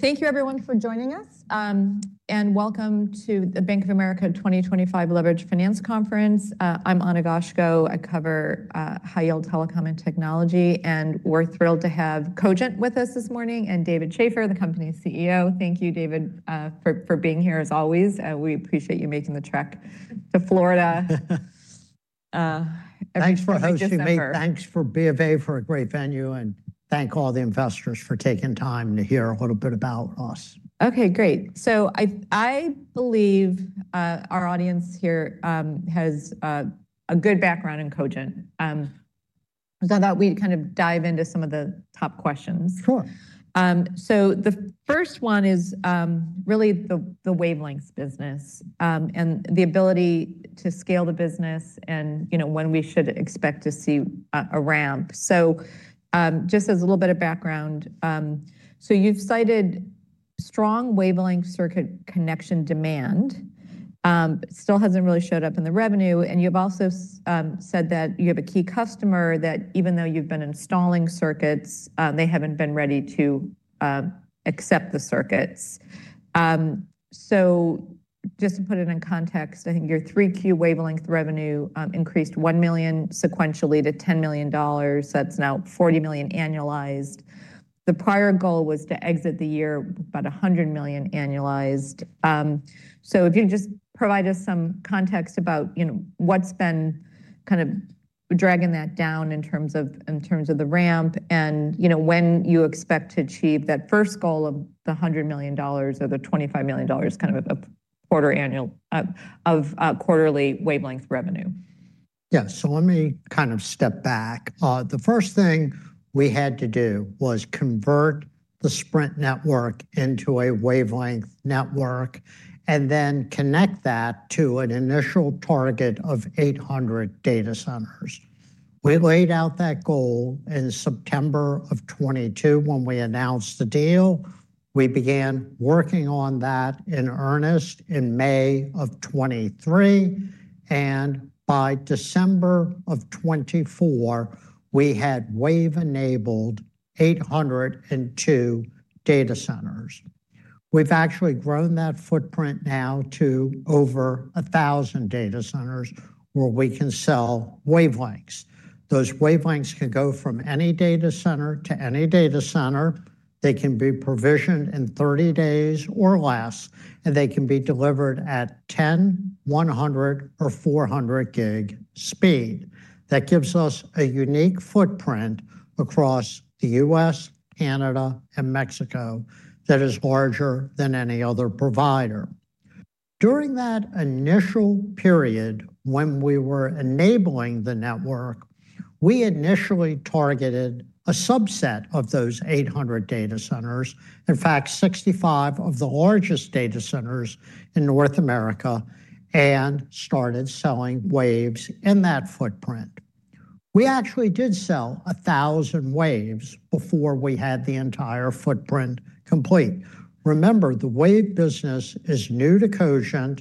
Thank you, everyone, for joining us, and welcome to the Bank of America 2025 Leveraged Finance Conference. I'm Ana Goshko. I cover high-yield telecom and technology, and we're thrilled to have Cogent with us this morning and David Schaeffer, the company's CEO. Thank you, David, for being here, as always. We appreciate you making the trek to Florida. Thanks for hosting me. Thanks for being a great venue, and thank all the investors for taking time to hear a little bit about us. Okay, great. I believe our audience here has a good background in Cogent. Now we kind of dive into some of the top questions. Sure. The first one is really the wavelengths business and the ability to scale the business and when we should expect to see a ramp. Just as a little bit of background, you've cited strong wavelength circuit connection demand. It still hasn't really showed up in the revenue. You've also said that you have a key customer that even though you've been installing circuits, they haven't been ready to accept the circuits. Just to put it in context, I think your 3Q wavelength revenue increased $1 million sequentially to $10 million. That's now $40 million annualized. The prior goal was to exit the year with about $100 million annualized. If you can just provide us some context about what's been kind of dragging that down in terms of the ramp and when you expect to achieve that first goal of the $100 million or the $25 million kind of quarterly wavelength revenue. Yeah, let me kind of step back. The first thing we had to do was convert the Sprint network into a wavelength network and then connect that to an initial target of 800 data centers. We laid out that goal in September of 2022 when we announced the deal. We began working on that in earnest in May of 2023. By December of 2024, we had wave-enabled 802 data centers. We've actually grown that footprint now to over 1,000 data centers where we can sell wavelengths. Those wavelengths can go from any data center to any data center. They can be provisioned in 30 days or less, and they can be delivered at 10, 100, or 400 gig speed. That gives us a unique footprint across the U.S., Canada, and Mexico that is larger than any other provider. During that initial period when we were enabling the network, we initially targeted a subset of those 800 data centers, in fact, 65 of the largest data centers in North America, and started selling waves in that footprint. We actually did sell 1,000 waves before we had the entire footprint complete. Remember, the wave business is new to Cogent,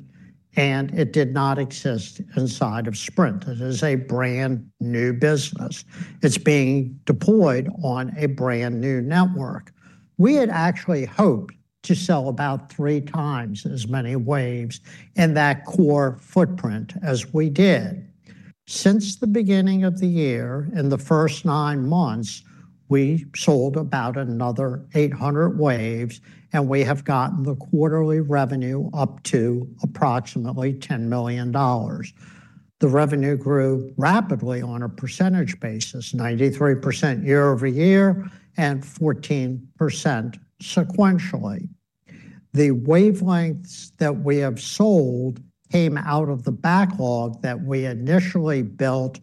and it did not exist inside of Sprint. It is a brand new business. It's being deployed on a brand new network. We had actually hoped to sell about three times as many waves in that core footprint as we did. Since the beginning of the year in the first nine months, we sold about another 800 waves, and we have gotten the quarterly revenue up to approximately $10 million. The revenue grew rapidly on a percentage basis, 93% year over year and 14% sequentially. The wavelengths that we have sold came out of the backlog that we initially built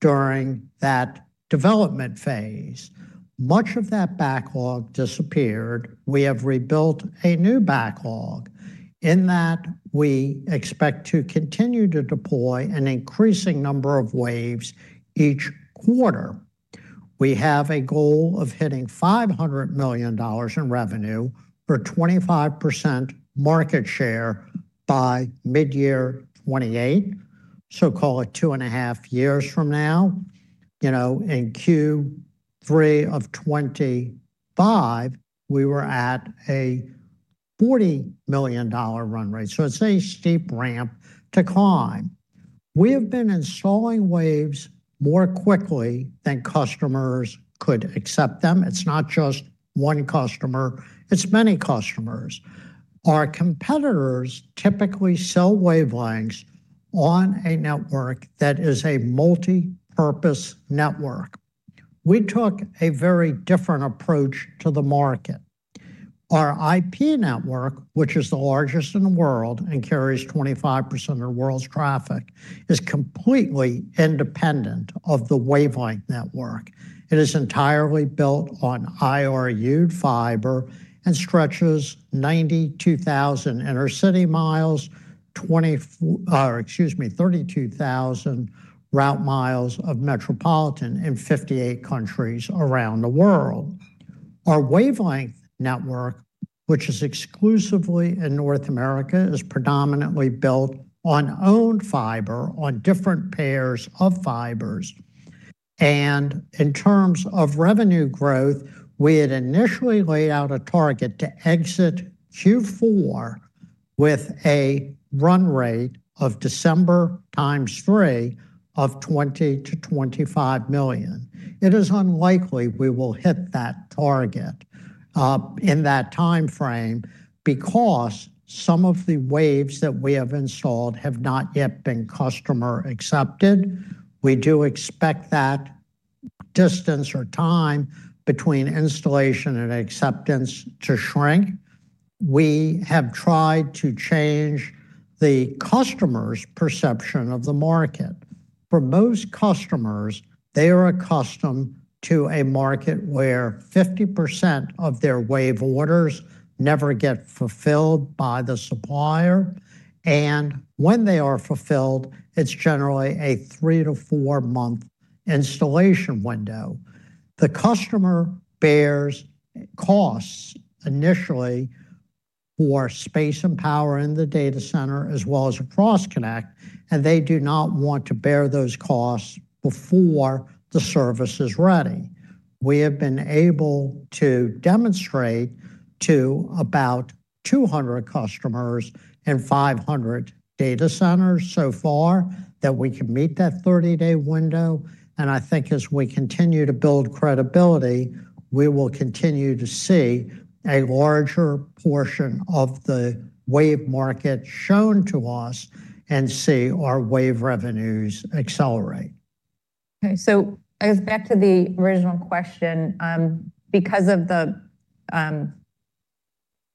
during that development phase. Much of that backlog disappeared. We have rebuilt a new backlog in that we expect to continue to deploy an increasing number of waves each quarter. We have a goal of hitting $500 million in revenue for 25% market share by mid-year 2028, so call it two and a half years from now. In Q3 of 2025, we were at a $40 million run rate. It is a steep ramp to climb. We have been installing waves more quickly than customers could accept them. It is not just one customer. It is many customers. Our competitors typically sell wavelengths on a network that is a multi-purpose network. We took a very different approach to the market. Our IP network, which is the largest in the world and carries 25% of the world's traffic, is completely independent of the wavelength network. It is entirely built on IRU fiber and stretches 92,000 inner city miles, excuse me, 32,000 route miles of metropolitan in 58 countries around the world. Our wavelength network, which is exclusively in North America, is predominantly built on owned fiber on different pairs of fibers. In terms of revenue growth, we had initially laid out a target to exit Q4 with a run rate of December times three of $20 million-$25 million. It is unlikely we will hit that target in that timeframe because some of the waves that we have installed have not yet been customer accepted. We do expect that distance or time between installation and acceptance to shrink. We have tried to change the customer's perception of the market. For most customers, they are accustomed to a market where 50% of their wave orders never get fulfilled by the supplier. When they are fulfilled, it's generally a three to four-month installation window. The customer bears costs initially for space and power in the data center as well as across Connect, and they do not want to bear those costs before the service is ready. We have been able to demonstrate to about 200 customers and 500 data centers so far that we can meet that 30-day window. I think as we continue to build credibility, we will continue to see a larger portion of the wave market shown to us and see our wave revenues accelerate. Okay, so I guess back to the original question, because of the kind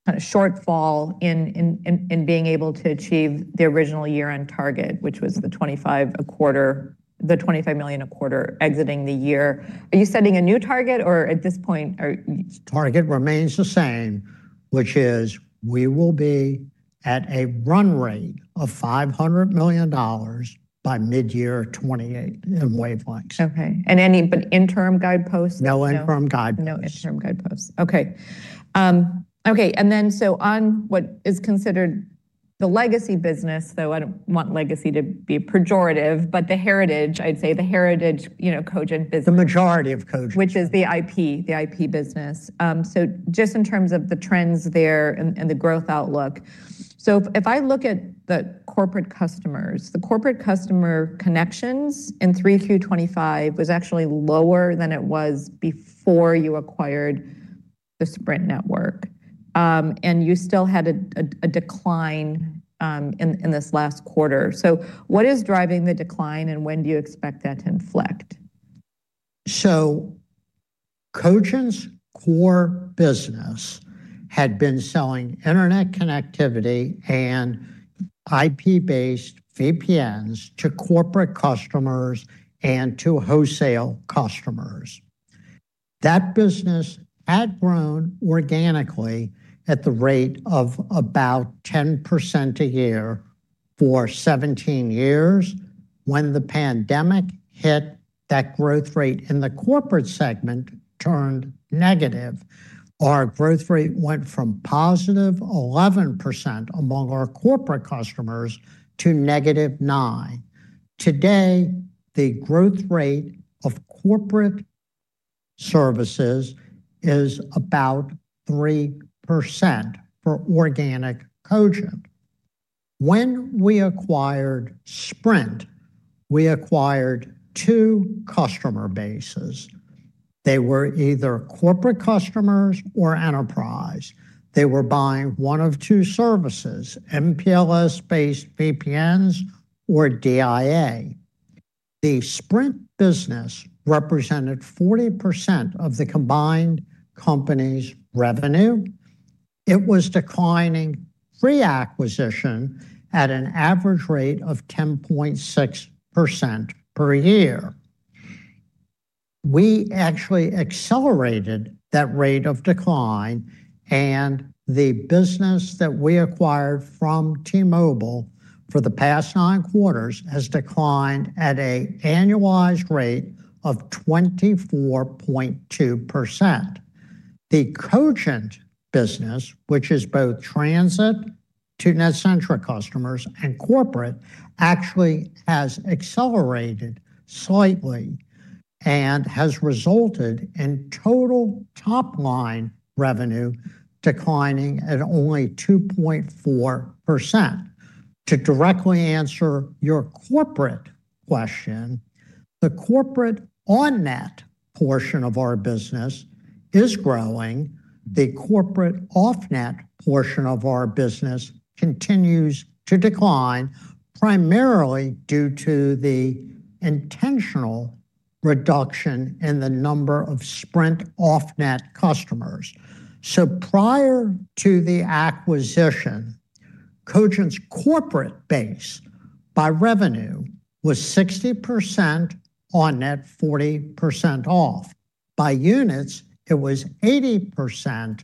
of shortfall in being able to achieve the original year-end target, which was the $25 million a quarter exiting the year, are you setting a new target or at this point? The target remains the same, which is we will be at a run rate of $500 million by mid-year 2028 in wavelengths. Okay, and any interim guideposts? No interim guideposts. No interim guideposts. Okay. Okay, and then on what is considered the legacy business, though I do not want legacy to be pejorative, but the heritage, I would say the heritage Cogent business. The majority of Cogent. Which is the IP, the IP business. Just in terms of the trends there and the growth outlook, if I look at the corporate customers, the corporate customer connections in 3Q 2025 was actually lower than it was before you acquired the Sprint network, and you still had a decline in this last quarter. What is driving the decline and when do you expect that to inflect? Cogent's core business had been selling internet connectivity and IP-based VPNs to corporate customers and to wholesale customers. That business had grown organically at the rate of about 10% a year for 17 years. When the pandemic hit, that growth rate in the corporate segment turned negative. Our growth rate went from positive 11% among our corporate customers to negative 9%. Today, the growth rate of corporate services is about 3% for organic Cogent. When we acquired Sprint, we acquired two customer bases. They were either corporate customers or enterprise. They were buying one of two services, MPLS-based VPNs or DIA. The Sprint business represented 40% of the combined company's revenue. It was declining pre-acquisition at an average rate of 10.6% per year. We actually accelerated that rate of decline, and the business that we acquired from T-Mobile for the past nine quarters has declined at an annualized rate of 24.2%. The Cogent business, which is both transit to Netcentric customers and corporate, actually has accelerated slightly and has resulted in total top-line revenue declining at only 2.4%. To directly answer your corporate question, the corporate on-net portion of our business is growing. The corporate off-net portion of our business continues to decline primarily due to the intentional reduction in the number of Sprint off-net customers. Prior to the acquisition, Cogent's corporate base by revenue was 60% on-net, 40% off. By units, it was 80%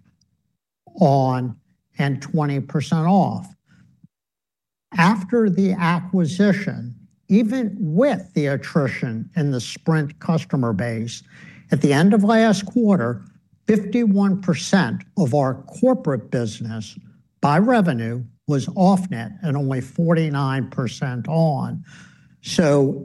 on and 20% off. After the acquisition, even with the attrition in the Sprint customer base, at the end of last quarter, 51% of our corporate business by revenue was off-net and only 49% on.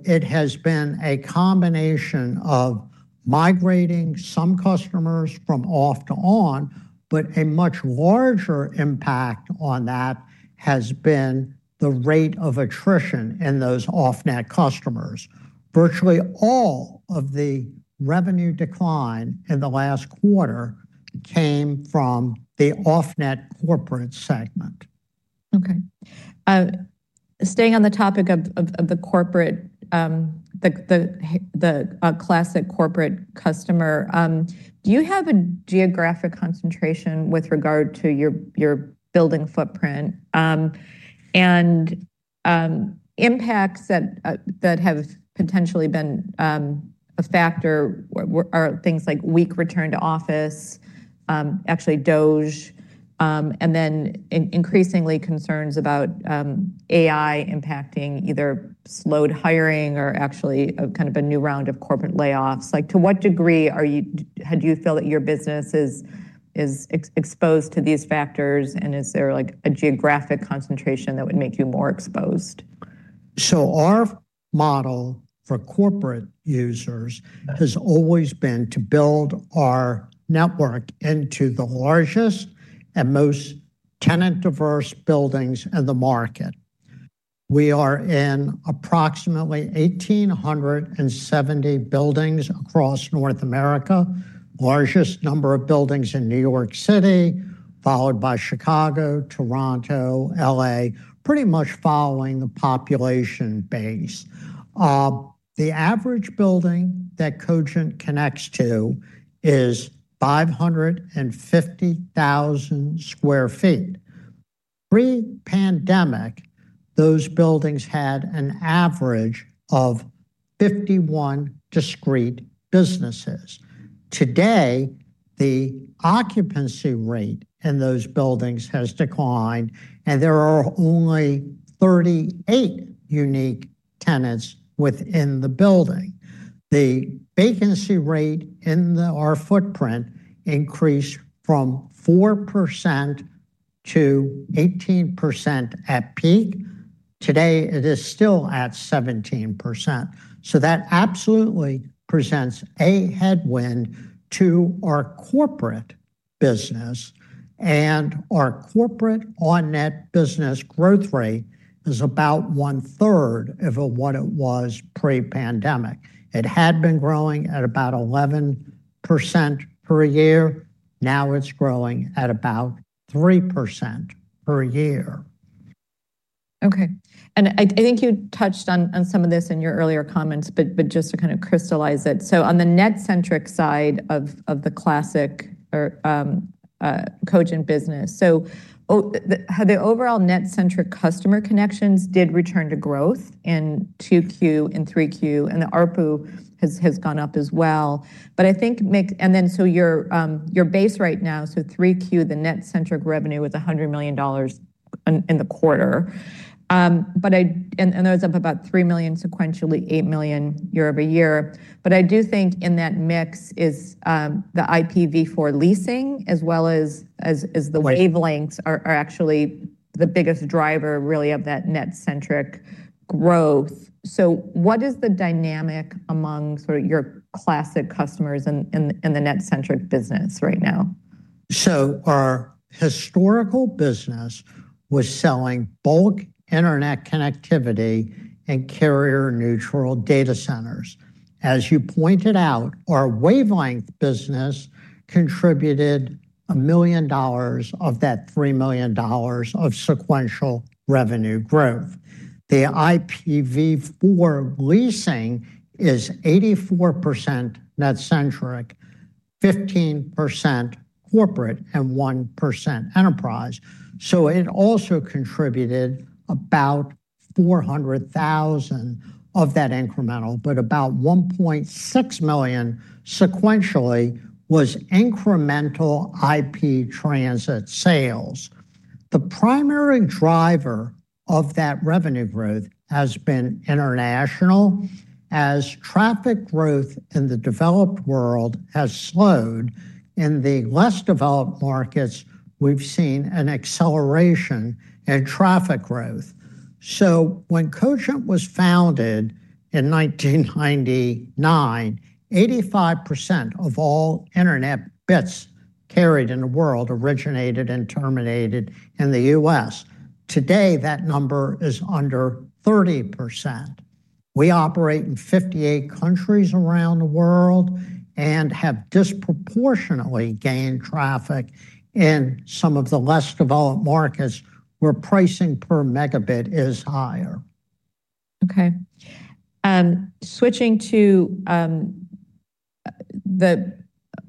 It has been a combination of migrating some customers from off to on, but a much larger impact on that has been the rate of attrition in those off-net customers. Virtually all of the revenue decline in the last quarter came from the off-net corporate segment. Okay. Staying on the topic of the classic corporate customer, do you have a geographic concentration with regard to your building footprint? Impacts that have potentially been a factor are things like weak return to office, actually DOGE, and then increasingly concerns about AI impacting either slowed hiring or actually kind of a new round of corporate layoffs. Like to what degree had you felt that your business is exposed to these factors, and is there like a geographic concentration that would make you more exposed? Our model for corporate users has always been to build our network into the largest and most tenant-diverse buildings in the market. We are in approximately 1,870 buildings across North America, largest number of buildings in New York City, followed by Chicago, Toronto, LA, pretty much following the population base. The average building that Cogent connects to is 550,000 sq ft. Pre-pandemic, those buildings had an average of 51 discrete businesses. Today, the occupancy rate in those buildings has declined, and there are only 38 unique tenants within the building. The vacancy rate in our footprint increased from 4% to 18% at peak. Today, it is still at 17%. That absolutely presents a headwind to our corporate business, and our corporate on-net business growth rate is about one-third of what it was pre-pandemic. It had been growing at about 11% per year. Now it's growing at about 3% per year. Okay. I think you touched on some of this in your earlier comments, just to kind of crystallize it. On the Netcentric side of the classic Cogent business, the overall Netcentric customer connections did return to growth in 2Q and 3Q, and the ARPU has gone up as well. I think, and then your base right now, 3Q, the Netcentric revenue was $100 million in the quarter, and that was up about $3 million sequentially, $8 million year over year. I do think in that mix is the IPv4 leasing as well as the wavelengths are actually the biggest driver really of that Netcentric growth. What is the dynamic among sort of your classic customers in the Netcentric business right now? Our historical business was selling bulk internet connectivity and carrier-neutral data centers. As you pointed out, our wavelength business contributed $1 million of that $3 million of sequential revenue growth. The IPv4 leasing is 84% Netcentric, 15% corporate, and 1% enterprise. It also contributed about $400,000 of that incremental, but about $1.6 million sequentially was incremental IP transit sales. The primary driver of that revenue growth has been international. As traffic growth in the developed world has slowed, in the less developed markets, we've seen an acceleration in traffic growth. When Cogent was founded in 1999, 85% of all internet bits carried in the world originated and terminated in the U.S. Today, that number is under 30%. We operate in 58 countries around the world and have disproportionately gained traffic in some of the less developed markets where pricing per megabit is higher. Okay. Switching to the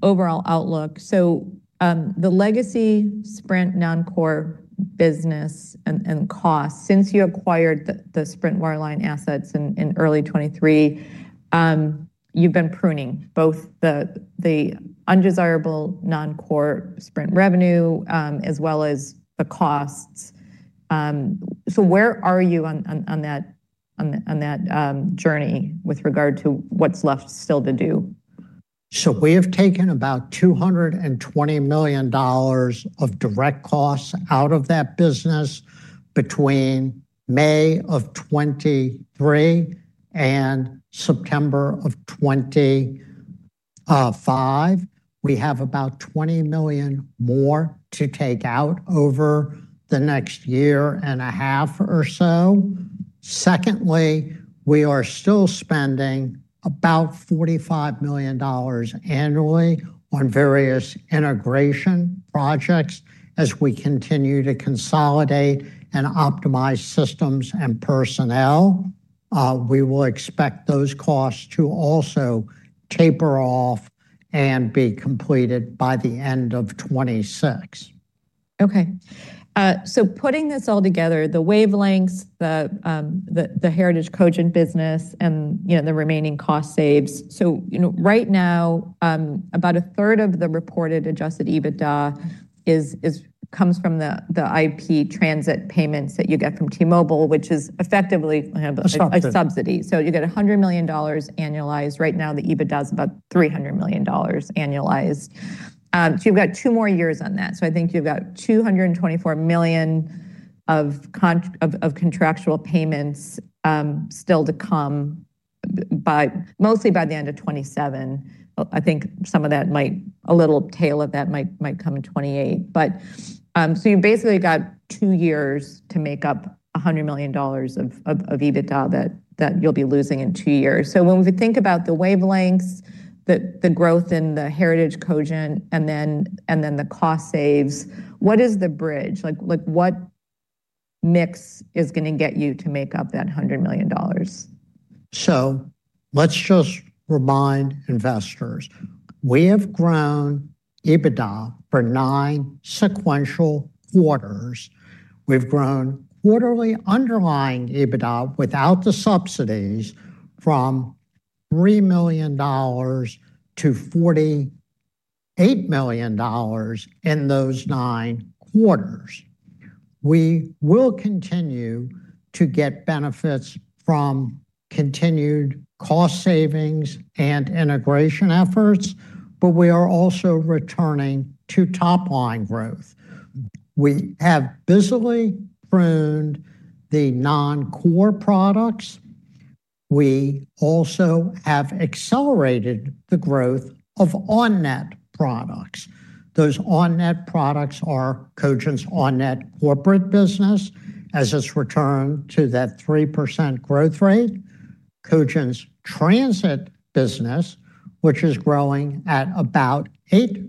overall outlook, the legacy Sprint non-core business and costs, since you acquired the Sprint wireline assets in early 2023, you've been pruning both the undesirable non-core Sprint revenue as well as the costs. Where are you on that journey with regard to what's left still to do? We have taken about $220 million of direct costs out of that business between May of 2023 and September of 2025. We have about $20 million more to take out over the next year and a half or so. Secondly, we are still spending about $45 million annually on various integration projects as we continue to consolidate and optimize systems and personnel. We will expect those costs to also taper off and be completed by the end of 2026. Okay. So putting this all together, the wavelengths, the heritage Cogent business, and the remaining cost saves. Right now, about a third of the reported adjusted EBITDA comes from the IP transit payments that you get from T-Mobile, which is effectively a subsidy. You get $100 million annualized. Right now, the EBITDA is about $300 million annualized. You have two more years on that. I think you have $224 million of contractual payments still to come mostly by the end of 2027. I think some of that might, a little tail of that might come in 2028. You basically have two years to make up $100 million of EBITDA that you will be losing in two years. When we think about the wavelengths, the growth in the heritage Cogent, and then the cost saves, what is the bridge? What mix is going to get you to make up that $100 million? Let's just remind investors. We have grown EBITDA for nine sequential quarters. We've grown quarterly underlying EBITDA without the subsidies from $3 million to $48 million in those nine quarters. We will continue to get benefits from continued cost savings and integration efforts, but we are also returning to top-line growth. We have busily pruned the non-core products. We also have accelerated the growth of on-net products. Those on-net products are Cogent's on-net corporate business as it's returned to that 3% growth rate. Cogent's transit business, which is growing at about 8%,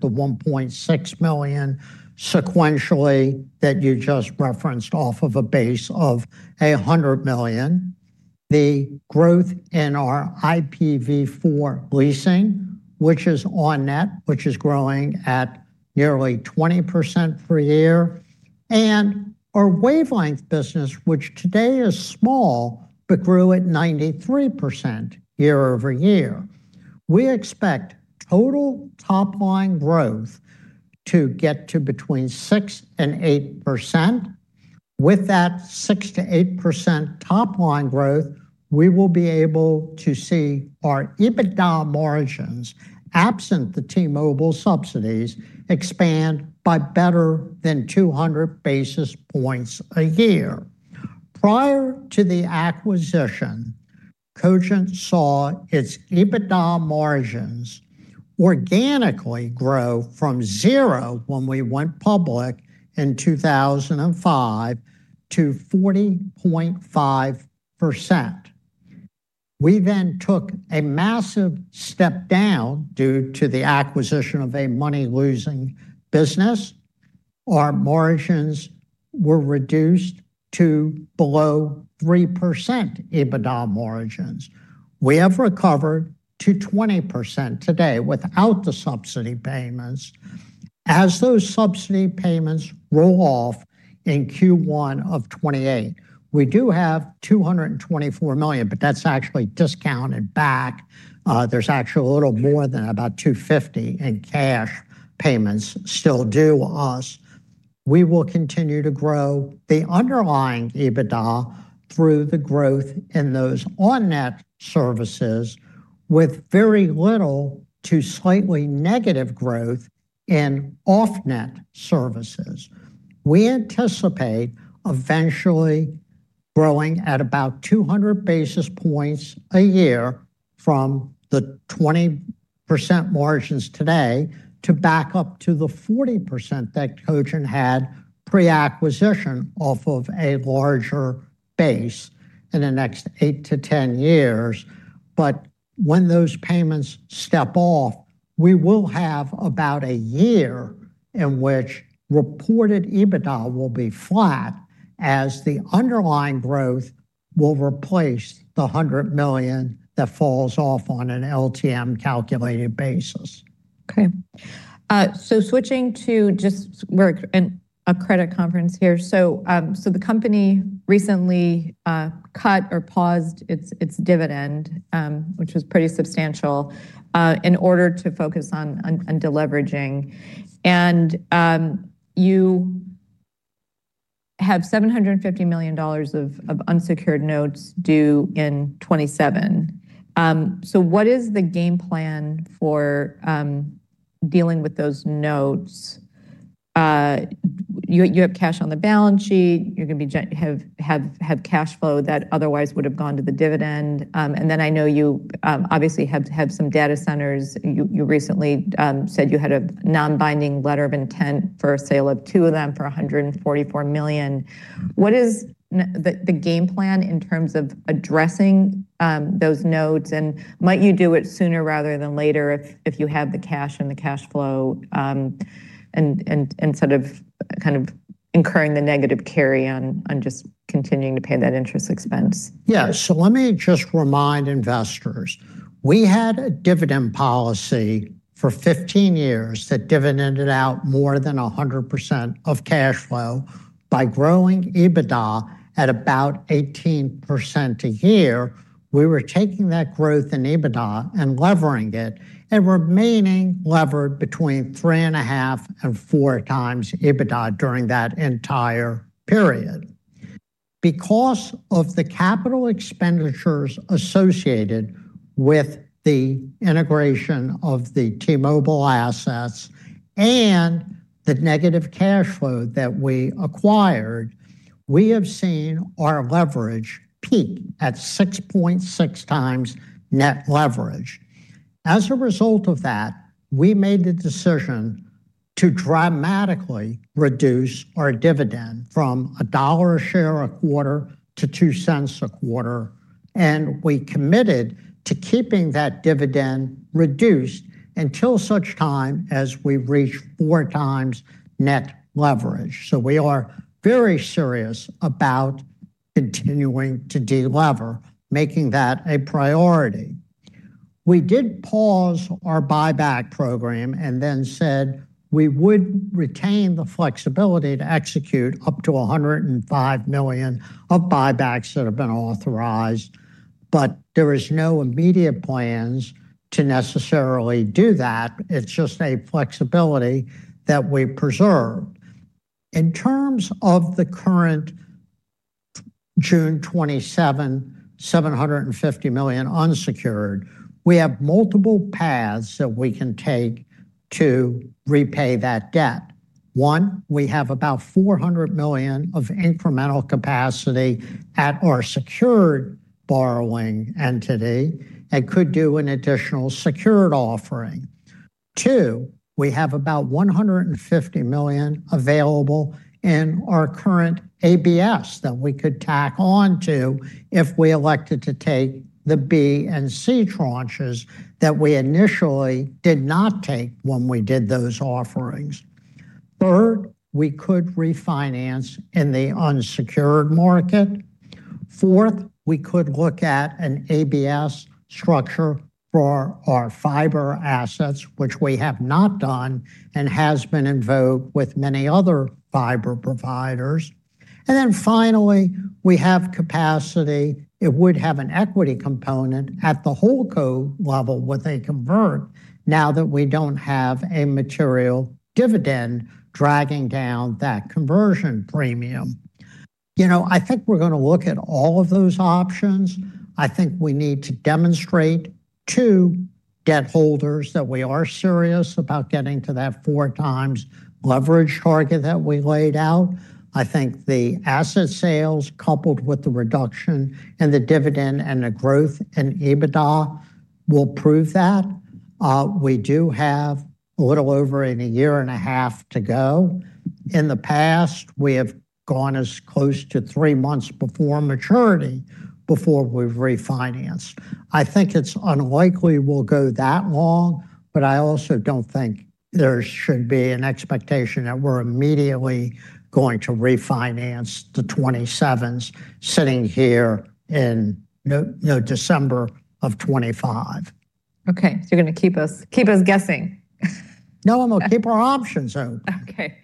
the $1.6 million sequentially that you just referenced off of a base of $100 million. The growth in our IPv4 leasing, which is on-net, which is growing at nearly 20% per year. Our wavelength business, which today is small, but grew at 93% year over year. We expect total top-line growth to get to between 6% and 8%. With that 6%-8% top-line growth, we will be able to see our EBITDA margins, absent the T-Mobile subsidies, expand by better than 200 basis points a year. Prior to the acquisition, Cogent saw its EBITDA margins organically grow from zero when we went public in 2005 to 40.5%. We then took a massive step down due to the acquisition of a money-losing business. Our margins were reduced to below 3% EBITDA margins. We have recovered to 20% today without the subsidy payments. As those subsidy payments roll off in Q1 of 2028, we do have $224 million, but that's actually discounted back. There's actually a little more than about $250 million in cash payments still due to us. We will continue to grow the underlying EBITDA through the growth in those on-net services with very little to slightly negative growth in off-net services. We anticipate eventually growing at about 200 basis points a year from the 20% margins today to back up to the 40% that Cogent had pre-acquisition off of a larger base in the next 8-10 years. When those payments step off, we will have about a year in which reported EBITDA will be flat as the underlying growth will replace the $100 million that falls off on an LTM calculated basis. Okay. Switching to just a credit conference here. The company recently cut or paused its dividend, which was pretty substantial, in order to focus on deleveraging. You have $750 million of unsecured notes due in 2027. What is the game plan for dealing with those notes? You have cash on the balance sheet. You're going to have cash flow that otherwise would have gone to the dividend. I know you obviously have some data centers. You recently said you had a non-binding letter of intent for a sale of two of them for $144 million. What is the game plan in terms of addressing those notes? Might you do it sooner rather than later if you have the cash and the cash flow and sort of kind of incurring the negative carry on just continuing to pay that interest expense? Yeah. Let me just remind investors. We had a dividend policy for 15 years that dividended out more than 100% of cash flow. By growing EBITDA at about 18% a year, we were taking that growth in EBITDA and levering it and remaining levered between three and a half and four times EBITDA during that entire period. Because of the capital expenditures associated with the integration of the T-Mobile assets and the negative cash flow that we acquired, we have seen our leverage peak at 6.6 times net leverage. As a result of that, we made the decision to dramatically reduce our dividend from $1 a share a quarter to $0.02 a quarter. We committed to keeping that dividend reduced until such time as we reach four times net leverage. We are very serious about continuing to delever, making that a priority. We did pause our buyback program and then said we would retain the flexibility to execute up to $105 million of buybacks that have been authorized, but there are no immediate plans to necessarily do that. It's just a flexibility that we preserve. In terms of the current June 2027, $750 million unsecured, we have multiple paths that we can take to repay that debt. One, we have about $400 million of incremental capacity at our secured borrowing entity and could do an additional secured offering. Two, we have about $150 million available in our current ABS that we could tack onto if we elected to take the B and C tranches that we initially did not take when we did those offerings. Third, we could refinance in the unsecured market. Fourth, we could look at an ABS structure for our fiber assets, which we have not done and has been in vogue with many other fiber providers. Finally, we have capacity. It would have an equity component at the whole code level with a convert now that we do not have a material dividend dragging down that conversion premium. You know, I think we are going to look at all of those options. I think we need to demonstrate to debt holders that we are serious about getting to that four times leverage target that we laid out. I think the asset sales coupled with the reduction in the dividend and the growth in EBITDA will prove that. We do have a little over a year and a half to go. In the past, we have gone as close to three months before maturity before we have refinanced. I think it's unlikely we'll go that long, but I also don't think there should be an expectation that we're immediately going to refinance the 2027s sitting here in December of 2025. Okay. So you're going to keep us guessing. No, I'm going to keep our options open. Okay.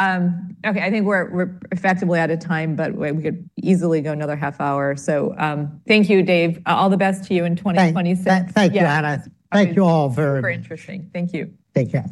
Okay. I think we're effectively out of time, but we could easily go another half hour. Thank you, Dave. All the best to you in 2026. Thank you, Ana. Thank you all very much. Thank you for interesting. Thank you. Take care.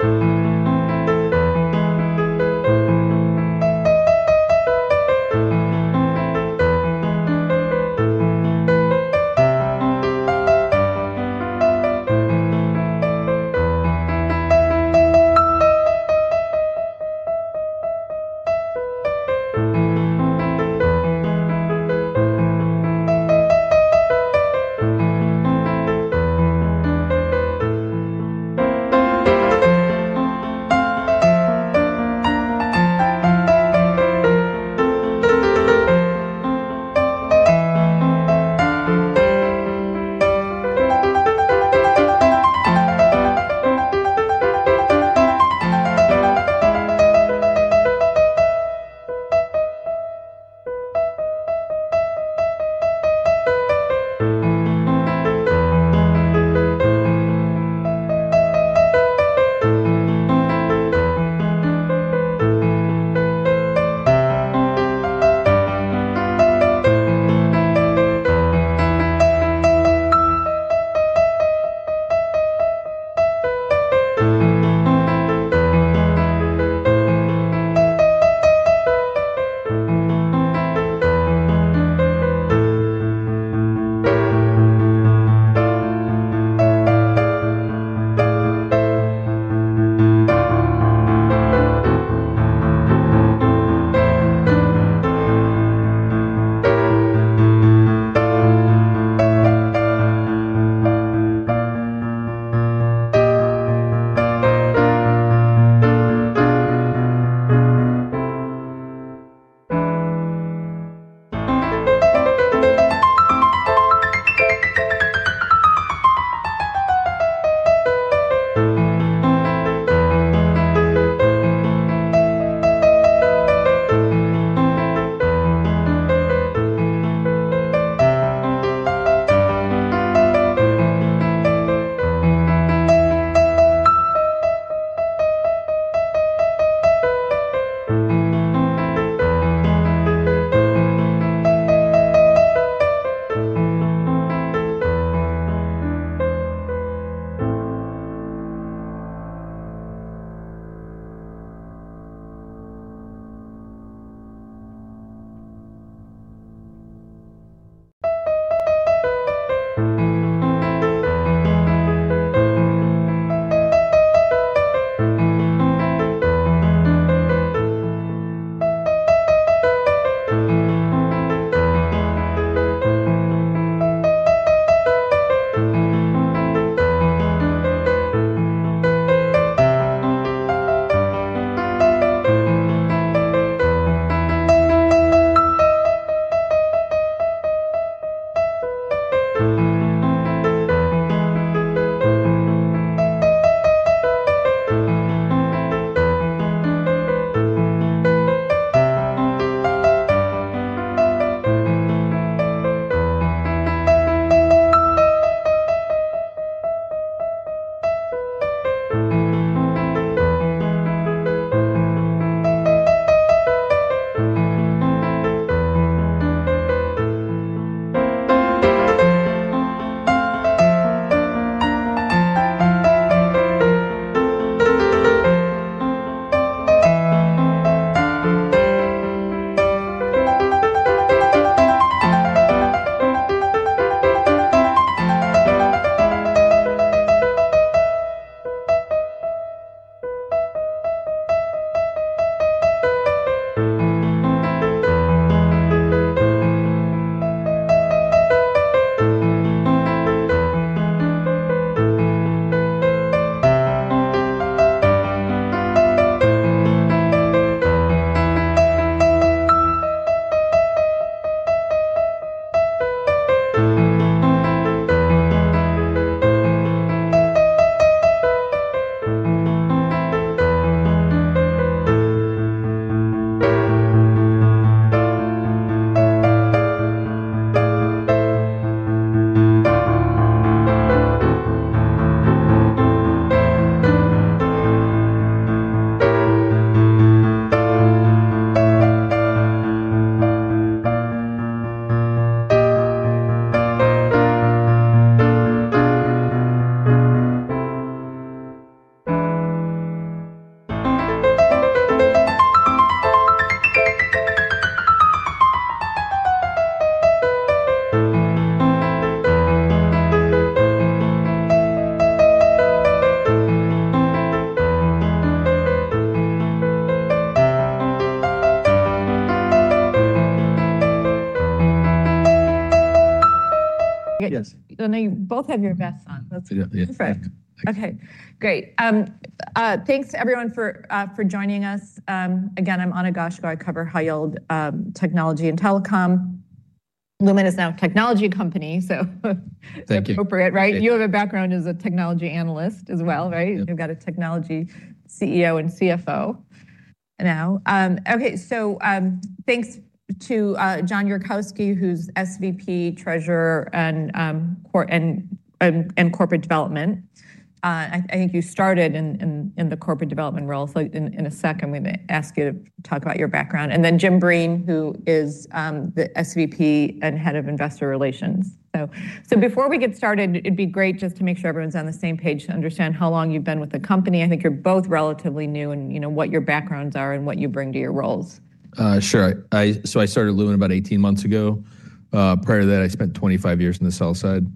Yes. You both have your vest on. That's perfect. Okay. Great. Thanks, everyone, for joining us. Again, I'm Ana Goshko. I cover High Yield Technology and Telecom. Lumen is now a technology company, so it's appropriate, right? You have a background as a technology analyst as well, right? You've got a technology CEO and CFO now. Okay. Thanks to John Wiercinski, who's SVP, Treasurer, and Corporate Development. I think you started in the Corporate Development role. In a second, I'm going to ask you to talk about your background. Jim Breen, who is the SVP and Head of Investor Relations. Before we get started, it'd be great just to make sure everyone's on the same page to understand how long you've been with the company. I think you're both relatively new and what your backgrounds are and what you bring to your roles. Sure. I started at Lumen about 18 months ago. Prior to that, I spent 25 years on the sell side,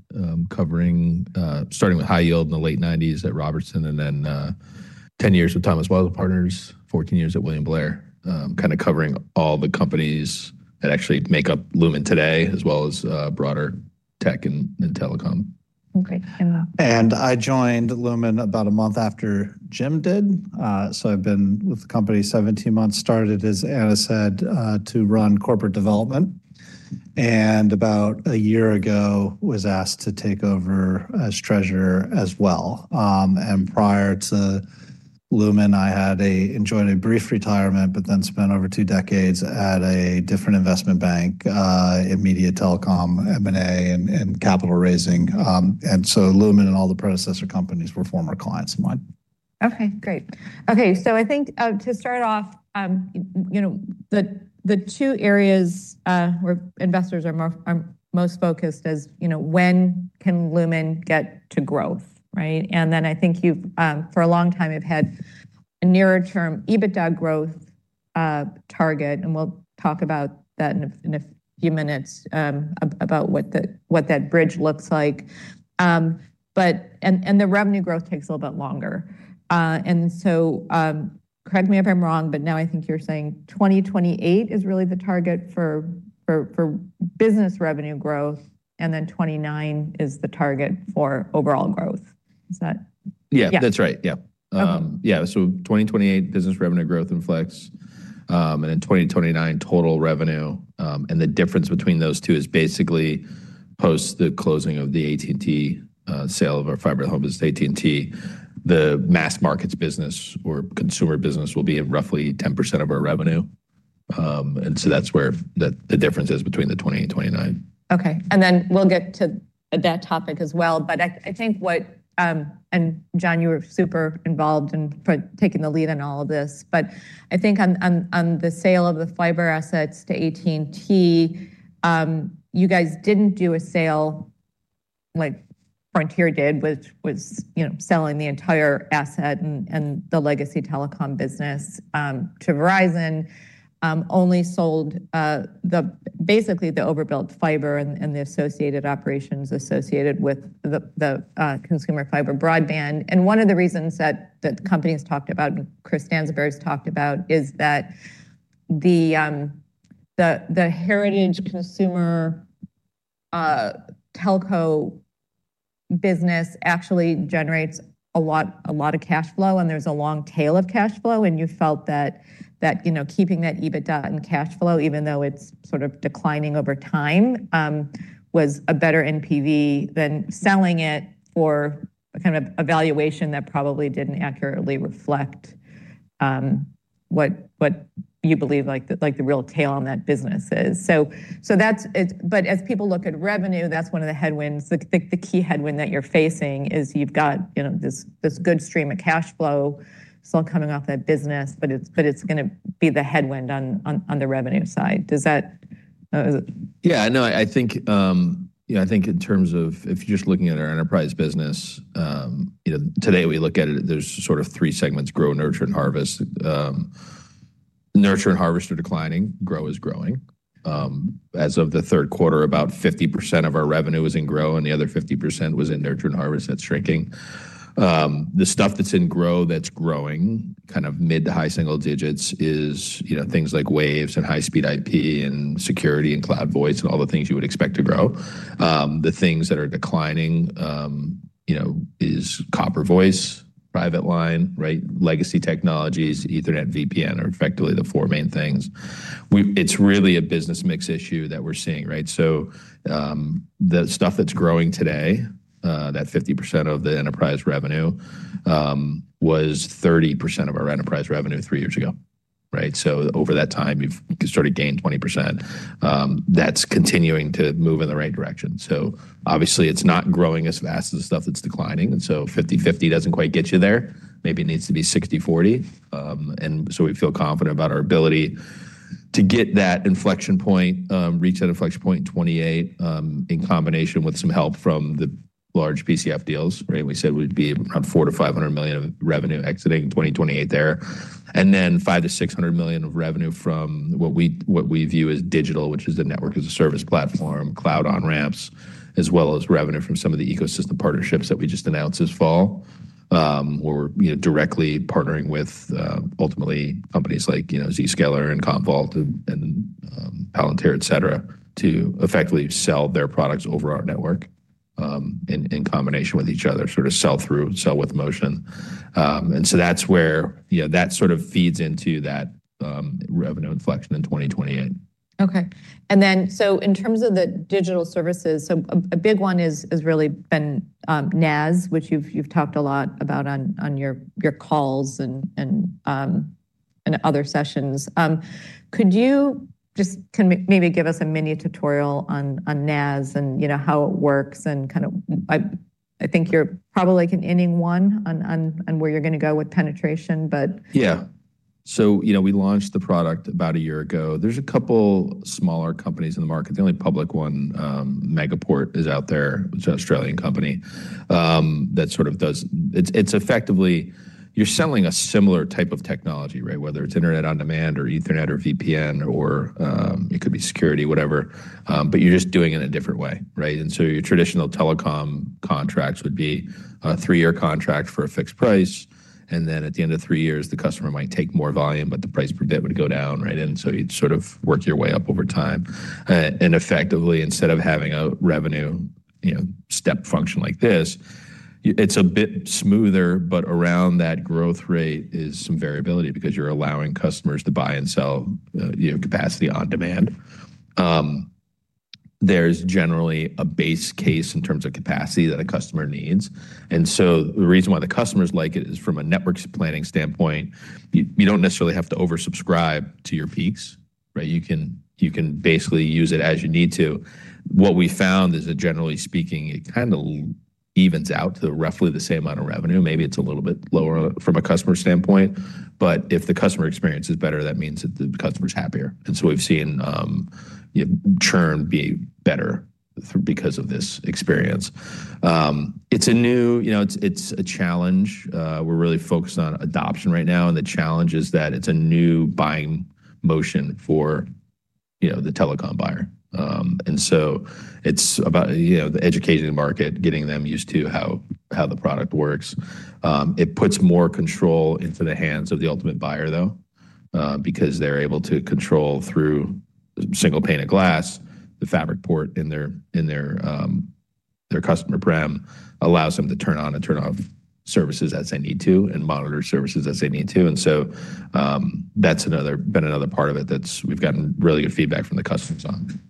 starting with High Yield in the late 1990s at Robertson Stephens, and then 10 years with Thomas Weisel Partners, 14 years at William Blair, kind of covering all the companies that actually make up Lumen today, as well as broader tech and telecom. Okay. And. I joined Lumen about a month after Jim did. I have been with the company 17 months, started, as Ana said, to run Corporate Development. About a year ago, I was asked to take over as Treasurer as well. Prior to Lumen, I had enjoyed a brief retirement, but then spent over two decades at a different investment bank, immediate telecom, M&A, and capital raising. Lumen and all the predecessor companies were former clients of mine. Okay. Great. Okay. I think to start off, the two areas where investors are most focused is when can Lumen get to growth, right? I think you've, for a long time, have had a nearer-term EBITDA growth target. We'll talk about that in a few minutes, about what that bridge looks like. The revenue growth takes a little bit longer. Correct me if I'm wrong, but now I think you're saying 2028 is really the target for business revenue growth, and then 2029 is the target for overall growth. Is that? Yeah. That's right. Yeah. Yeah. So 2028 business revenue growth in Flex, and then 2029 total revenue. The difference between those two is basically post the closing of the AT&T sale of our fiber at home is AT&T. The mass markets business or consumer business will be roughly 10% of our revenue. That's where the difference is between the 2028 and 2029. Okay. We will get to that topic as well. I think what—and John, you were super involved in taking the lead in all of this—I think on the sale of the fiber assets to AT&T, you guys did not do a sale like Frontier did, which was selling the entire asset and the legacy telecom business to Verizon. Only sold basically the overbuilt fiber and the associated operations associated with the consumer fiber broadband. One of the reasons that the company has talked about, and Chris Stansbury has talked about, is that the heritage consumer telco business actually generates a lot of cash flow, and there is a long tail of cash flow. You felt that keeping that EBITDA in cash flow, even though it's sort of declining over time, was a better NPV than selling it for kind of a valuation that probably didn't accurately reflect what you believe the real tail on that business is. As people look at revenue, that's one of the headwinds. The key headwind that you're facing is you've got this good stream of cash flow. It's all coming off that business, but it's going to be the headwind on the revenue side. Does that? Yeah. No, I think in terms of if you're just looking at our enterprise business, today we look at it, there's sort of three segments: grow, nurture, and harvest. Nurture and harvest are declining. Grow is growing. As of the third quarter, about 50% of our revenue was in grow, and the other 50% was in nurture and harvest. That's shrinking. The stuff that's in grow that's growing, kind of mid to high single digits, is things like Waves and high-speed IP and security and Cloud Voice and all the things you would expect to grow. The things that are declining is Copper Voice, Private Line, right? Legacy technologies, Ethernet, VPN are effectively the four main things. It's really a business mix issue that we're seeing, right? The stuff that's growing today, that 50% of the enterprise revenue, was 30% of our enterprise revenue three years ago, right? Over that time, we've sort of gained 20%. That's continuing to move in the right direction. Obviously, it's not growing as fast as the stuff that's declining. So 50/50 doesn't quite get you there. Maybe it needs to be 60/40. We feel confident about our ability to get that inflection point, reach that inflection point in 2028, in combination with some help from the large PCF deals, right? We said we'd be around $400 million-$500 million of revenue exiting in 2028 there. There is $500 million-$600 million of revenue from what we view as digital, which is the network as a service platform, cloud on-ramps, as well as revenue from some of the ecosystem partnerships that we just announced this fall, where we are directly partnering with ultimately companies like Zscaler and Commvault and Palantir, etc., to effectively sell their products over our network in combination with each other, sort of sell-through, sell-with-motion. That is where that sort of feeds into that revenue inflection in 2028. Okay. In terms of the digital services, a big one has really been NaaS, which you've talked a lot about on your calls and other sessions. Could you just maybe give us a mini tutorial on NaaS and how it works? I think you're probably like in inning one on where you're going to go with penetration. Yeah. We launched the product about a year ago. There are a couple of smaller companies in the market. The only public one, Megaport, is out there. It is an Australian company that sort of does—it is effectively you are selling a similar type of technology, right? Whether it is internet on demand or Ethernet or VPN or it could be security, whatever, but you are just doing it in a different way, right? Your traditional telecom contracts would be a three-year contract for a fixed price. At the end of three years, the customer might take more volume, but the price per bit would go down, right? You would sort of work your way up over time. Effectively, instead of having a revenue step function like this, it's a bit smoother, but around that growth rate is some variability because you're allowing customers to buy and sell capacity on demand. There's generally a base case in terms of capacity that a customer needs. The reason why the customers like it is from a network planning standpoint, you don't necessarily have to oversubscribe to your peaks, right? You can basically use it as you need to. What we found is that, generally speaking, it kind of evens out to roughly the same amount of revenue. Maybe it's a little bit lower from a customer standpoint, but if the customer experience is better, that means that the customer's happier. We've seen churn be better because of this experience. It's a new—it's a challenge. We're really focused on adoption right now. The challenge is that it's a new buying motion for the telecom buyer. It is about educating the market, getting them used to how the product works. It puts more control into the hands of the ultimate buyer, though, because they're able to control through single pane of glass. The fabric port in their customer prem allows them to turn on and turn off services as they need to and monitor services as they need to. That has been another part of it that we've gotten really good feedback from the customers on.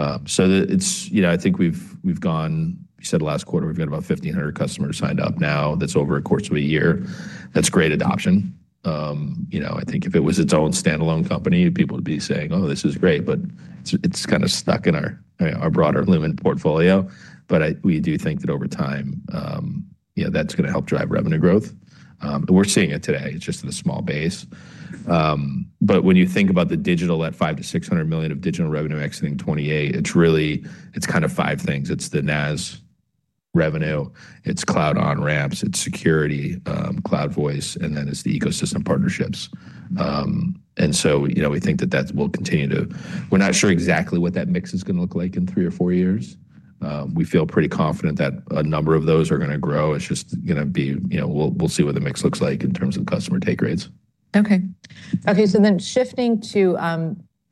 I think we've gone—we said last quarter, we've got about 1,500 customers signed up now. That is over a course of a year. That is great adoption. I think if it was its own standalone company, people would be saying, "Oh, this is great," but it is kind of stuck in our broader Lumen portfolio. We do think that over time, that's going to help drive revenue growth. We're seeing it today. It's just at a small base. When you think about the digital, that $500 million-$600 million of digital revenue exiting 2028, it's really kind of five things. It's the NAS revenue. It's cloud on-ramps. It's security, Cloud Voice, and then it's the ecosystem partnerships. We think that that will continue to—we're not sure exactly what that mix is going to look like in three or four years. We feel pretty confident that a number of those are going to grow. It's just going to be—we'll see what the mix looks like in terms of customer take rates. Okay. Okay. Shifting to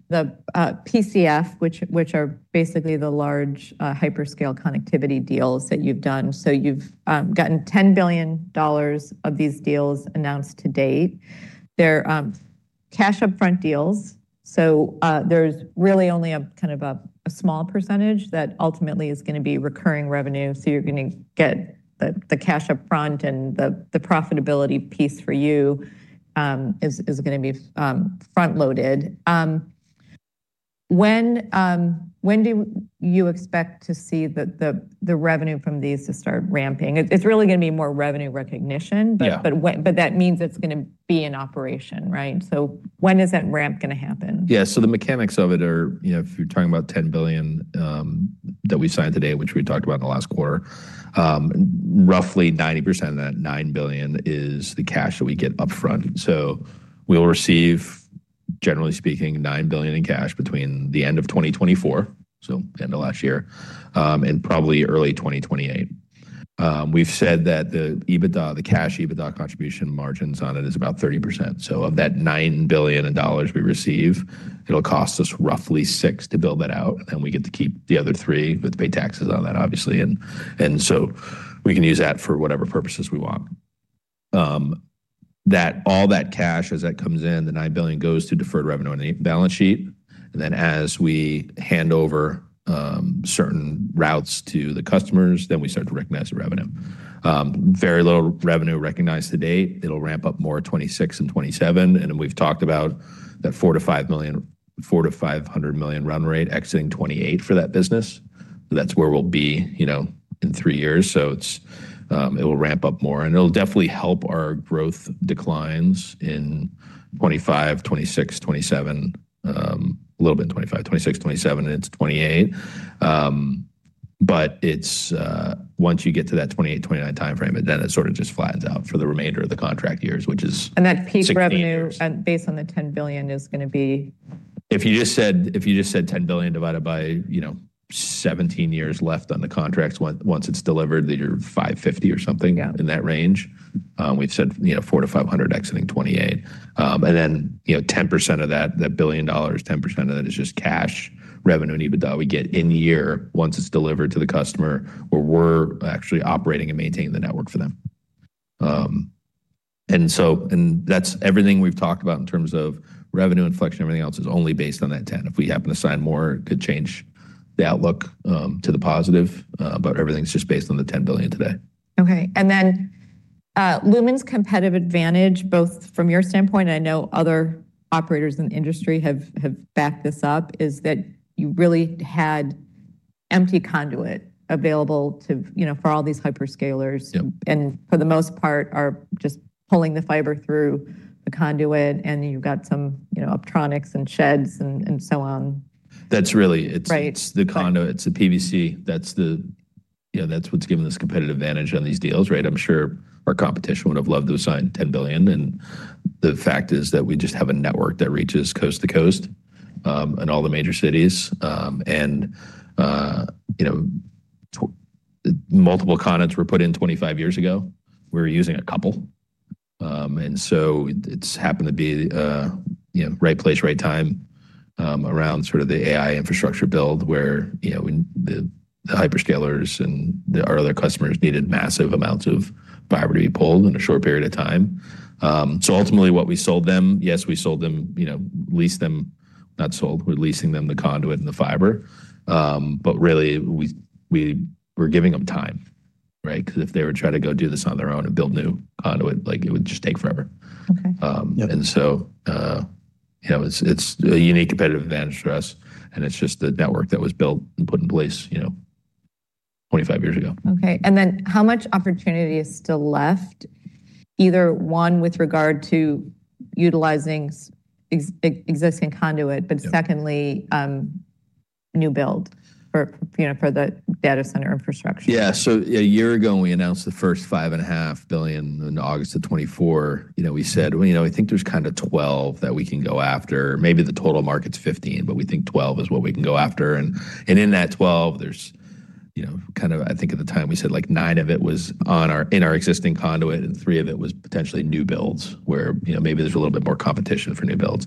the PCF, which are basically the large hyperscale connectivity deals that you've done. You've gotten $10 billion of these deals announced to date. They're cash upfront deals. There's really only kind of a small percentage that ultimately is going to be recurring revenue. You're going to get the cash upfront, and the profitability piece for you is going to be front-loaded. When do you expect to see the revenue from these to start ramping? It's really going to be more revenue recognition, but that means it's going to be in operation, right? When is that ramp going to happen? Yeah. The mechanics of it are, if you're talking about $10 billion that we signed today, which we talked about in the last quarter, roughly 90% of that $9 billion is the cash that we get upfront. We will receive, generally speaking, $9 billion in cash between the end of 2024, so end of last year, and probably early 2028. We've said that the cash EBITDA contribution margins on it is about 30%. Of that $9 billion we receive, it'll cost us roughly six to build that out. We get to keep the other three with pay taxes on that, obviously. We can use that for whatever purposes we want. All that cash as that comes in, the $9 billion goes to deferred revenue on the balance sheet. As we hand over certain routes to the customers, we start to recognize the revenue. Very little revenue recognized to date. It will ramp up more in 2026 and 2027. We have talked about that $400 million-$500 million run rate exiting 2028 for that business. That is where we will be in three years. It will ramp up more. It will definitely help our growth declines in 2025, 2026, 2027, a little bit in 2025, 2026, 2027, and into 2028. Once you get to that 2028, 2029 timeframe, it sort of just flattens out for the remainder of the contract years, which is pretty serious. That peak revenue based on the $10 billion is going to be. If you just said $10 billion divided by 17 years left on the contracts once it's delivered, that you're 550 or something in that range. We've said 400-500 exiting 2028. Then 10% of that, that billion dollars, 10% of that is just cash revenue and EBITDA we get in year once it's delivered to the customer where we're actually operating and maintaining the network for them. That is everything we've talked about in terms of revenue inflection. Everything else is only based on that 10. If we happen to sign more, it could change the outlook to the positive. Everything's just based on the $10 billion today. Okay. Lumen's competitive advantage, both from your standpoint, and I know other operators in the industry have backed this up, is that you really had empty conduit available for all these hyperscalers and for the most part are just pulling the fiber through the conduit, and you've got some optronics and sheds and so on. That's really the conduit. It's the PVC. That's what's given us competitive advantage on these deals, right? I'm sure our competition would have loved to have signed $10 billion. The fact is that we just have a network that reaches coast to coast in all the major cities. Multiple conduits were put in 25 years ago. We were using a couple. It happened to be right place, right time around sort of the AI infrastructure build where the hyperscalers and our other customers needed massive amounts of fiber to be pulled in a short period of time. Ultimately, what we sold them, yes, we sold them, leased them, not sold. We're leasing them the conduit and the fiber. Really, we were giving them time, right? If they were to try to go do this on their own and build new conduit, it would just take forever. It is a unique competitive advantage for us. It is just the network that was built and put in place 25 years ago. Okay. How much opportunity is still left, either one with regard to utilizing existing conduit, but secondly, new build for the data center infrastructure? Yeah. A year ago, we announced the first $5.5 billion in August of 2024. We said, "We think there's kind of $12 billion that we can go after. Maybe the total market's $15 billion, but we think $12 billion is what we can go after." In that $12 billion, there's kind of, I think at the time we said like $9 billion of it was in our existing conduit and $3 billion of it was potentially new builds where maybe there's a little bit more competition for new builds.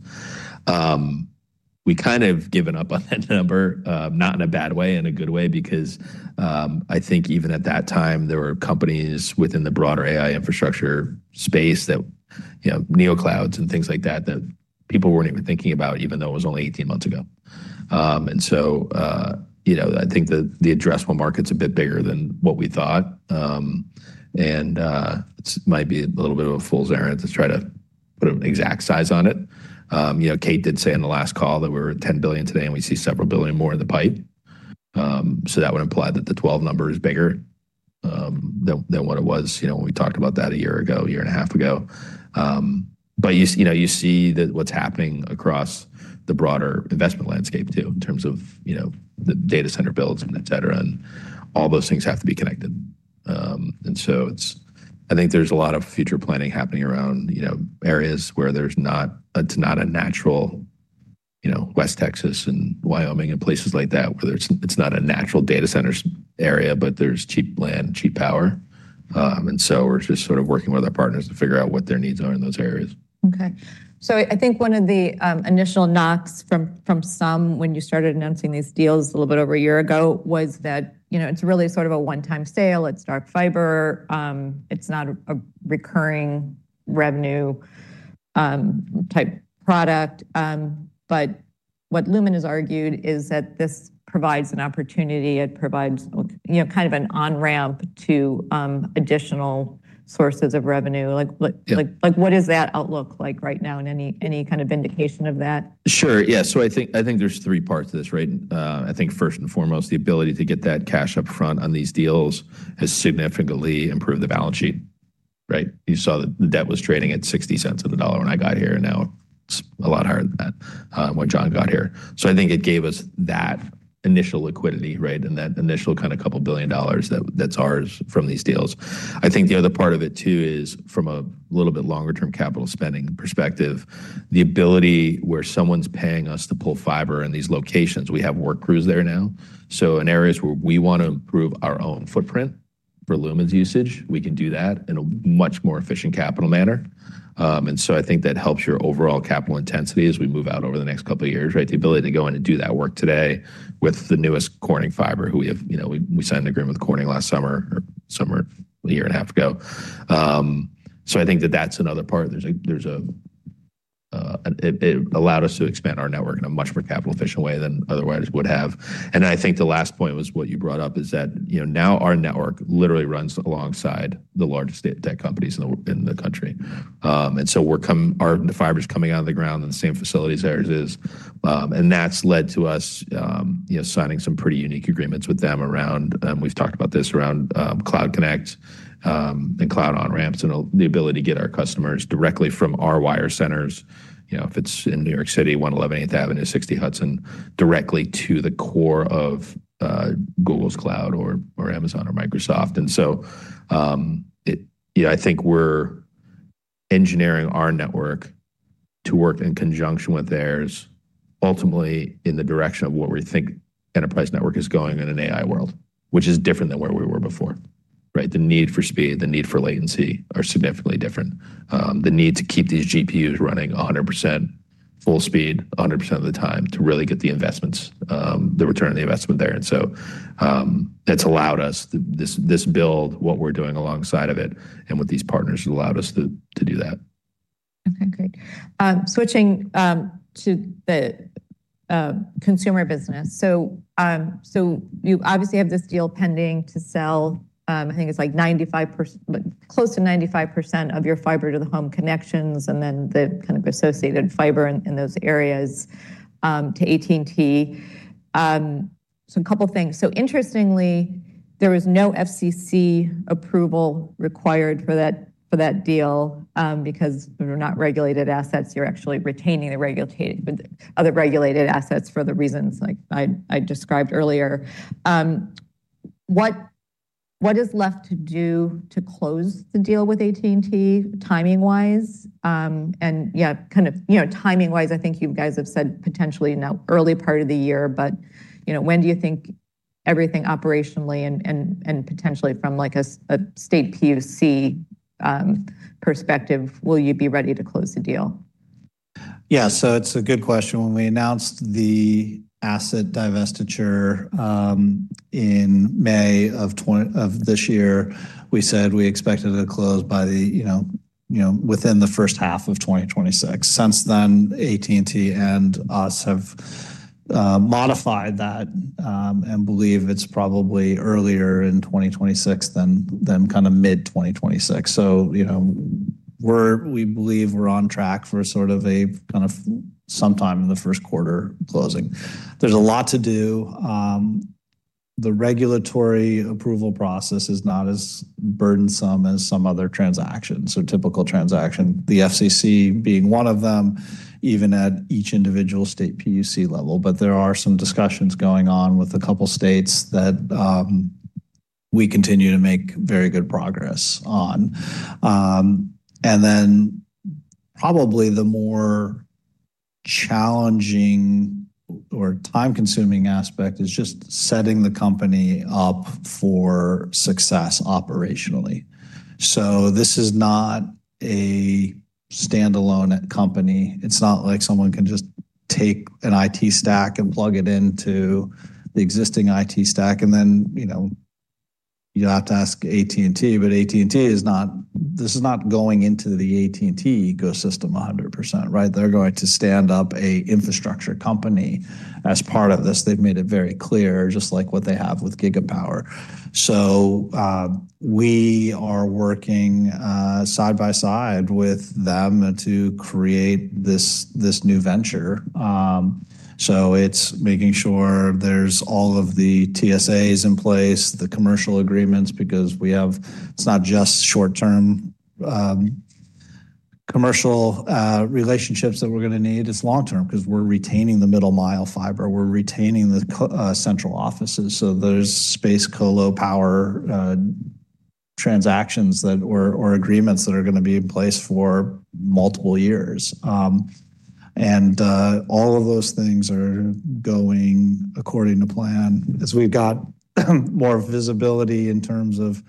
We kind of given up on that number, not in a bad way, in a good way, because I think even at that time, there were companies within the broader AI infrastructure space that neoclouds and things like that that people weren't even thinking about, even though it was only 18 months ago. I think the addressable market's a bit bigger than what we thought. It might be a little bit of a fool's errand to try to put an exact size on it. Kate did say in the last call that we're at $10 billion today, and we see several billion more in the pipe. That would imply that the 12 number is bigger than what it was when we talked about that a year ago, a year and a half ago. You see that what's happening across the broader investment landscape too in terms of the data center builds and etc. All those things have to be connected. I think there's a lot of future planning happening around areas where there's not a natural West Texas and Wyoming and places like that, where it's not a natural data center area, but there's cheap land, cheap power. We're just sort of working with our partners to figure out what their needs are in those areas. Okay. I think one of the initial knocks from some when you started announcing these deals a little bit over a year ago was that it's really sort of a one-time sale. It's dark fiber. It's not a recurring revenue-type product. What Cogent has argued is that this provides an opportunity. It provides kind of an on-ramp to additional sources of revenue. What does that outlook look like right now and any kind of indication of that? Sure. Yeah. I think there are three parts to this, right? I think first and foremost, the ability to get that cash upfront on these deals has significantly improved the balance sheet, right? You saw that the debt was trading at 60 cents of the dollar when I got here, and now it is a lot higher than that when John got here. I think it gave us that initial liquidity, right, and that initial kind of couple of billion dollars that is ours from these deals. I think the other part of it too is from a little bit longer-term capital spending perspective, the ability where someone is paying us to pull fiber in these locations. We have work crews there now. In areas where we want to improve our own footprint for Cogent's usage, we can do that in a much more efficient capital manner. I think that helps your overall capital intensity as we move out over the next couple of years, right? The ability to go in and do that work today with the newest Corning fiber, who we have signed an agreement with Corning last summer or summer, a year and a half ago. I think that that's another part. It allowed us to expand our network in a much more capital-efficient way than otherwise would have. I think the last point was what you brought up is that now our network literally runs alongside the largest tech companies in the country. Our fiber's coming out of the ground in the same facilities as ours is. That has led to us signing some pretty unique agreements with them around, and we have talked about this around Cloud Connect and cloud on-ramps and the ability to get our customers directly from our wire centers. If it is in New York City, 111 8th Avenue, 60 Hudson, directly to the core of Google's cloud or Amazon or Microsoft. I think we are engineering our network to work in conjunction with theirs, ultimately in the direction of what we think enterprise network is going in an AI world, which is different than where we were before, right? The need for speed, the need for latency are significantly different. The need to keep these GPUs running 100% full speed, 100% of the time to really get the investments, the return on the investment there. That has allowed us, this build, what we are doing alongside of it and with these partners has allowed us to do that. Okay. Great. Switching to the consumer business. You obviously have this deal pending to sell. I think it's like close to 95% of your fiber to the home connections and then the kind of associated fiber in those areas to AT&T. A couple of things. Interestingly, there was no FCC approval required for that deal because they're not regulated assets. You're actually retaining the regulated assets for the reasons I described earlier. What is left to do to close the deal with AT&T timing-wise? Yeah, timing-wise, I think you guys have said potentially in the early part of the year, but when do you think everything operationally and potentially from a state PUC perspective, will you be ready to close the deal? Yeah. So it's a good question. When we announced the asset divestiture in May of this year, we said we expected to close by within the first half of 2026. Since then, AT&T and us have modified that and believe it's probably earlier in 2026 than kind of mid-2026. We believe we're on track for sort of a kind of sometime in the first quarter closing. There's a lot to do. The regulatory approval process is not as burdensome as some other transactions, so typical transaction, the FCC being one of them, even at each individual state PUC level. There are some discussions going on with a couple of states that we continue to make very good progress on. Probably the more challenging or time-consuming aspect is just setting the company up for success operationally. This is not a standalone company. It's not like someone can just take an IT stack and plug it into the existing IT stack. You have to ask AT&T, but this is not going into the AT&T ecosystem 100%, right? They're going to stand up an infrastructure company as part of this. They've made it very clear, just like what they have with Gigapower. We are working side by side with them to create this new venture. It's making sure there's all of the TSAs in place, the commercial agreements, because it's not just short-term commercial relationships that we're going to need. It's long-term because we're retaining the middle-mile fiber. We're retaining the central offices. There's space, colo, power transactions or agreements that are going to be in place for multiple years. All of those things are going according to plan. As we've got more visibility in terms of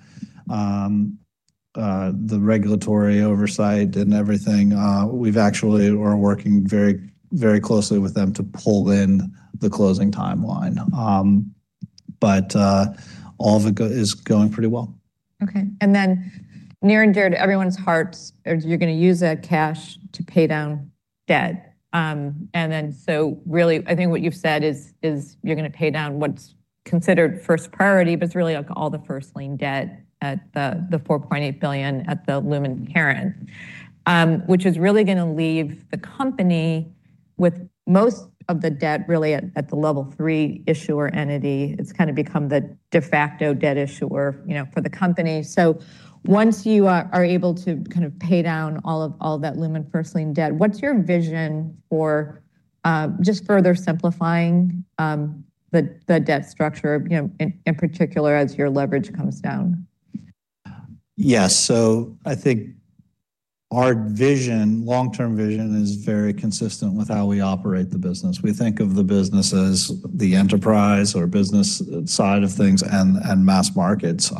the regulatory oversight and everything, we actually are working very closely with them to pull in the closing timeline. All of it is going pretty well. Okay. Near and dear to everyone's hearts, you're going to use that cash to pay down debt. I think what you've said is you're going to pay down what's considered first priority, but it's really all the first-line debt at the $4.8 billion at the Lumen inherent, which is really going to leave the company with most of the debt really at the Level 3 issuer entity. It's kind of become the de facto debt issuer for the company. Once you are able to kind of pay down all of that Lumen first-line debt, what's your vision for just further simplifying the debt structure in particular as your leverage comes down? Yeah. I think our vision, long-term vision, is very consistent with how we operate the business. We think of the business as the enterprise or business side of things and mass markets.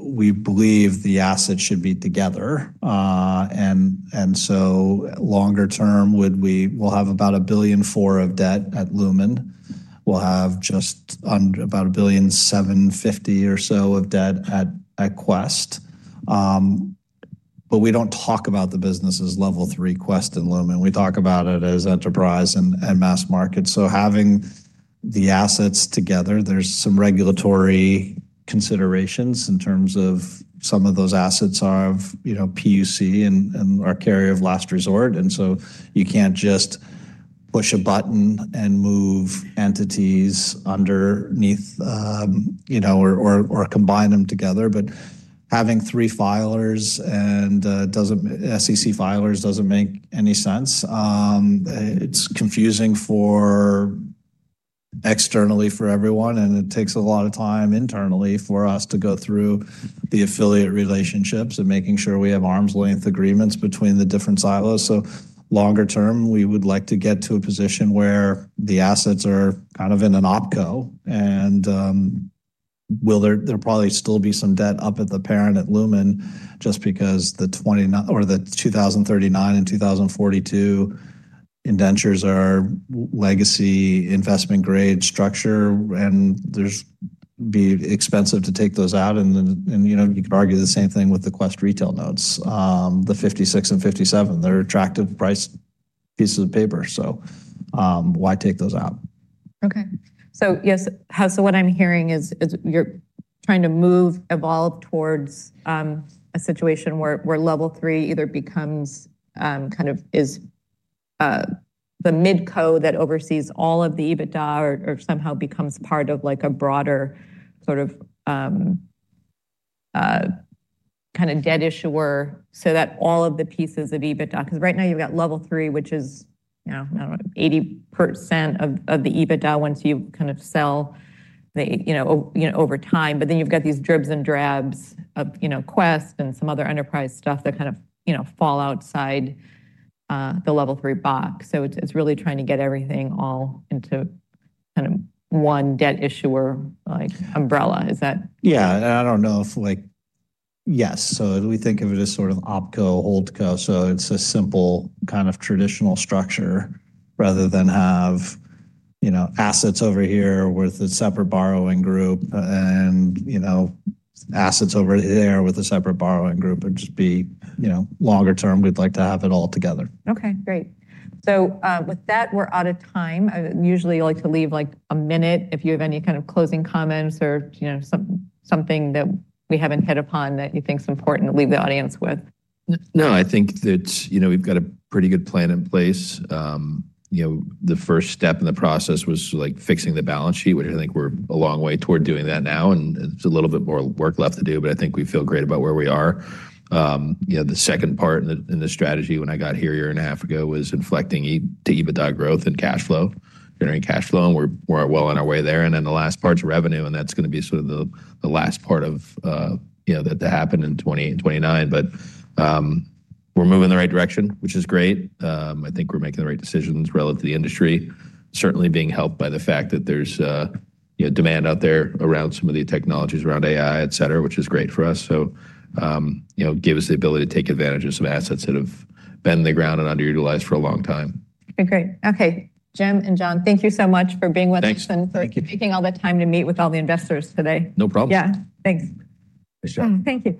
We believe the assets should be together. Longer term, we'll have about $1.4 billion of debt at Lumen. We'll have just about $1.75 billion or so of debt at Qwest. We don't talk about the business as Level three ,Qwest, and Lumen. We talk about it as enterprise and mass market. Having the assets together, there's some regulatory considerations in terms of some of those assets are PUC and are carrier of last resort. You can't just push a button and move entities underneath or combine them together. Having three filers and SEC filers doesn't make any sense. It's confusing externally for everyone, and it takes a lot of time internally for us to go through the affiliate relationships and making sure we have arm's length agreements between the different silos. Longer term, we would like to get to a position where the assets are kind of in an opco. There'll probably still be some debt up at the parent at Lumen just because the 2039 and 2042 indentures are legacy investment-grade structure, and it'd be expensive to take those out. You could argue the same thing with the Qwest retail notes, the 56 and 57. They're attractive price pieces of paper. Why take those out? Okay. Yes. What I'm hearing is you're trying to move, evolve towards a situation where Level 3 either becomes kind of the mid-co that oversees all of the EBITDA or somehow becomes part of a broader sort of kind of debt issuer so that all of the pieces of EBITDA, because right now you've got Level 3, which is 80% of the EBITDA once you kind of sell over time. Then you've got these dribs and drabs of Qwest and some other enterprise stuff that kind of fall outside the Level 3 box. It's really trying to get everything all into kind of one debt issuer umbrella. Is that? Yeah. I do not know if yes. We think of it as sort of opco, holdco. It is a simple kind of traditional structure rather than have assets over here with a separate borrowing group and assets over there with a separate borrowing group and just be longer term. We would like to have it all together. Okay. Great. With that, we're out of time. Usually, you like to leave a minute if you have any kind of closing comments or something that we haven't hit upon that you think is important to leave the audience with. No. I think that we've got a pretty good plan in place. The first step in the process was fixing the balance sheet, which I think we're a long way toward doing that now. It's a little bit more work left to do, but I think we feel great about where we are. The second part in the strategy when I got here a year and a half ago was inflecting to EBITDA growth and cash flow, generating cash flow. We're well on our way there. The last part's revenue. That's going to be sort of the last part of that to happen in 2029. We're moving in the right direction, which is great. I think we're making the right decisions relative to the industry, certainly being helped by the fact that there's demand out there around some of the technologies around AI, etc., which is great for us. It gives us the ability to take advantage of some assets that have been in the ground and underutilized for a long time. Okay. Great. Okay. Jim and John, thank you so much for being with us and for taking all the time to meet with all the investors today. No problem. Yeah. Thanks. Thanks, John. Thank you.